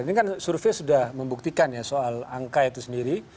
ini kan survei sudah membuktikan ya soal angka itu sendiri